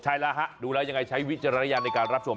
ใช่แล้วฮะดูแล้วยังไงใช้วิจารณญาณในการรับชม